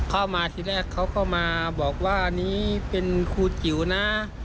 เข้ามาทีแรกเขาก็มาบอกว่านี่เป็นครูจิ๋วนะ